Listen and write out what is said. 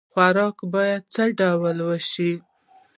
خوړل باید په څه ډول وشي؟